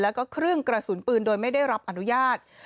แล้วก็เครื่องกระสุนปืนโดยไม่ได้รับอนุญาต